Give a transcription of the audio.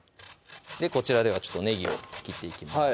こちらではねぎを切っていきます